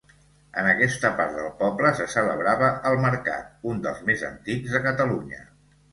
En aquesta part del poble se celebrava el mercat, un dels més antics de Catalunya.